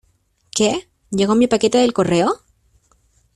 ¿ Qué? ¿ llego mi paquete del correo ?